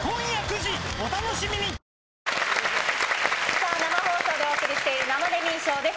さあ、生放送でお送りしている生デミー賞です。